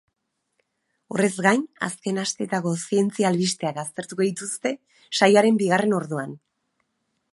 Horrez gain, azken asteetako zientzia albisteak aztertuko dituzte saioaren bigarren orduan.